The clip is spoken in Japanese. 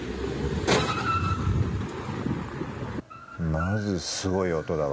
まず、すごい音だわ。